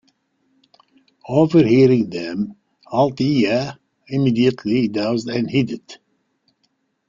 Overhearing them, Althaea immediately doused and hid it.